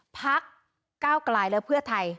พักก้าวกลายและเพื่อไทย